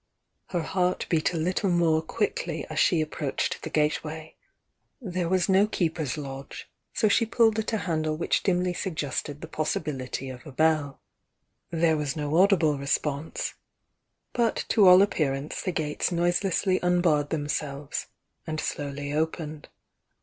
Her heart beat a little more quickly as she ap proached the gateway — there was no keeper's lodge, so she pulled at a handle which dimly suggested the possibility of a bell. There was no audible response, — but to all appearance the gates noiselessly un barred themselves, and slowly opened.